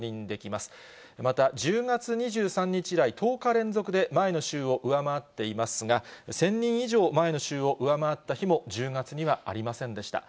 また１０月２３日以来１０日連続で、前の週を上回っていますが、１０００人以上、前の週を上回った日も、１０月にはありませんでした。